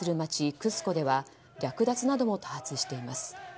クスコでは略奪なども多発しています。